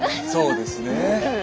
そうですねえ。